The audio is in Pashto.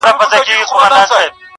شالمار به په زلمیو هوسېږي.!